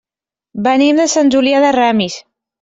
Venim de Sant Julià de Ramis.